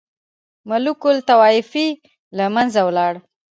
ملوک الطوایفي له منځه ولاړه.